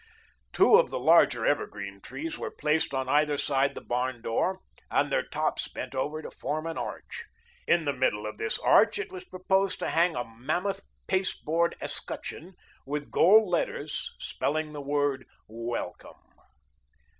Two of the larger evergreen trees were placed on either side the barn door and their tops bent over to form an arch. In the middle of this arch it was proposed to hang a mammoth pasteboard escutcheon with gold letters, spelling the word WELCOME.